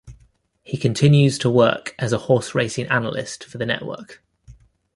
He continues to work as a horse racing analyst for the network.